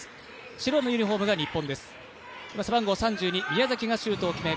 白のユニフォームが日本です。